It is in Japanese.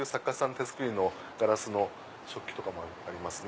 手作りのガラスの食器とかもありますね。